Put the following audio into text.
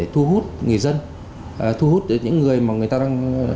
thu hút người dân thu hút những người mà người ta đang